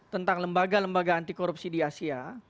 tentang lembaga lembaga anti korupsi di asia